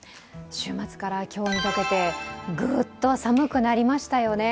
週末から今日にかけてぐーっと寒くなりましたよね。